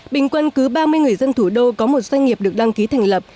bình quân cứ ba mươi người dân thủ đô có một doanh nghiệp được đăng ký thành lập